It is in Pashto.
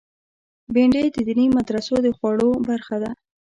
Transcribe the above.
بېنډۍ د دیني مدرسو د خواړو برخه ده